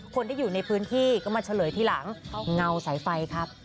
คนที่อยู่ในพื้นที่ก็มาเฉลยที่หลังเงาสายไฟครับ